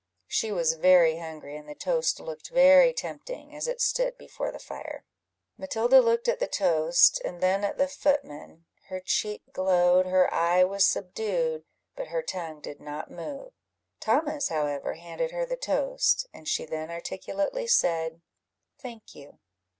She was very hungry, and the toast looked very tempting, as it stood before the fire. Matilda looked at the toast, and then at the footman; her cheek glowed, her eye was subdued, but her tongue did not move. Thomas, however, handed her the toast, and she then articulately said "Thank you."